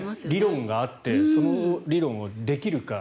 理論があってその理論をできるか。